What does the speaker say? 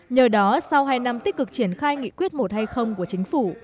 nhờ đó sau hai năm tích cực triển khai nghị quyết một trăm hai mươi của chính phủ